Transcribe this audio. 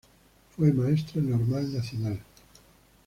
Fue maestra normal nacional.